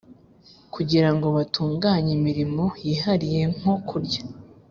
kugira ngo batunganye imirimo yihariye nko kurya